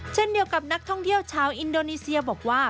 เช่นเดียวกับนักท่องเที่ยวชาวอินโดนีเซียบอกว่า